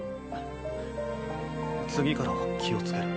次からは気をつける。